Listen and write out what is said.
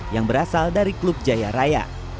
yang berasal dari klub jaya raya